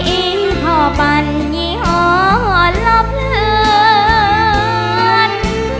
อิ่งหอบันเงียงอ่อนละเพลิน